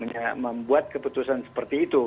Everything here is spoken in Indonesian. jadi membuat keputusan seperti itu